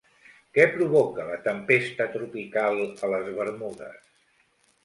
Què provoca la tempesta tropical a les Bermudes?